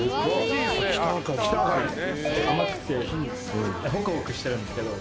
甘くてほくほくしてるんですけど。